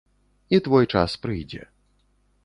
І твой час прыйдзе.